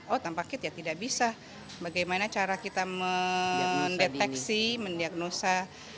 oh tanpa kit ya tidak bisa bagaimana cara kita mendeteksi mendiagnosa